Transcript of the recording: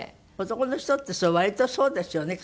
男の人って割とそうですよね。